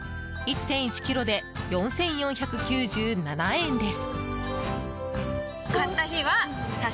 １．１ｋｇで４４９７円です。